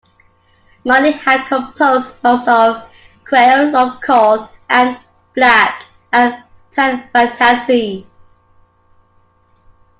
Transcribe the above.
Miley had composed most of "Creole Love Call" and "Black and Tan Fantasy".